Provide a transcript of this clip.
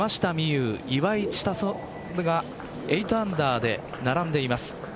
有、岩井千怜が８アンダーで並んでいます。